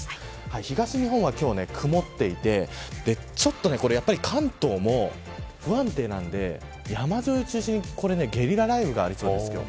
東日本は今日は曇っていてやっぱり関東も不安定なので山沿いを中心にゲリラ豪雨がありそうです。